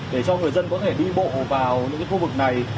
để cho người dân có thể đi bộ vào những khu vực này